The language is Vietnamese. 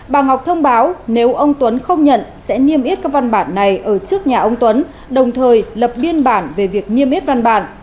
bà ngọc thông báo nếu ông tuấn không nhận sẽ niêm yết các văn bản này ở trước nhà ông tuấn đồng thời lập biên bản về việc niêm yết văn bản